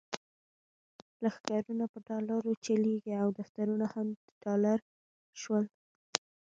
لښکرونه په ډالرو چلیږي او دفترونه هم د ډالر شول.